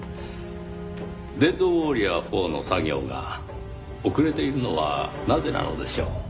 『デッドウォーリア４』の作業が遅れているのはなぜなのでしょう？